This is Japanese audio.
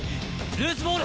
ルーズボール！